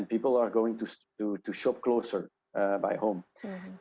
dan orang orang akan membeli produk produk lebih dekat dengan rumah